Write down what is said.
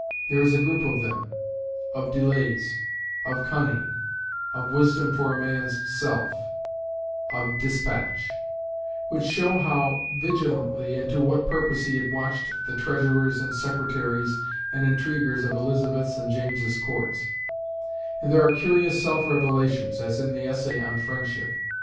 There is a group of them, "of Delays," "of Cunning," "of Wisdom for a Man's Self," "of Despatch," which show how vigilantly and to what purpose he had watched the treasurers and secretaries and intriguers of Elizabeth's and James's Courts; and there are curious self revelations, as in the essay on Friendship.